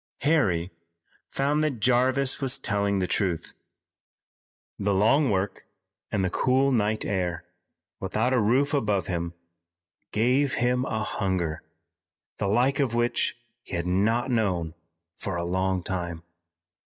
Harry found that Jarvis was telling the truth. The long work and the cool night air, without a roof above him, gave him a hunger, the like of which he had not known for a long time.